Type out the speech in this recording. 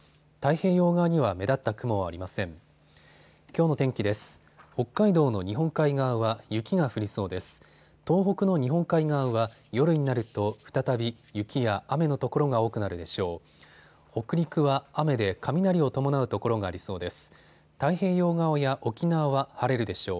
東北の日本海側は夜になると再び雪や雨の所が多くなるでしょう。